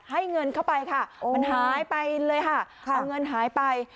ให้เงินเข้าไปค่ะมันหายไปเลยค่ะเอาเงินหายไป